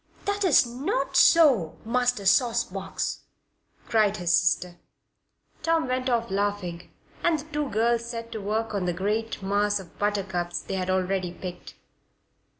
"That's not so, Master Sauce box!" cried his sister. Tom went off laughing, and the two girls set to work on the great mass of buttercups they had already picked.